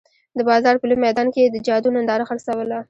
د بازار په لوی میدان کې یې د جادو ننداره خرڅوله.